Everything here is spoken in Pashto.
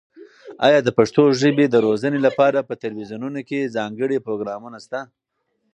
ایا د پښتو ژبې د روزنې لپاره په تلویزیونونو کې ځانګړي پروګرامونه شته؟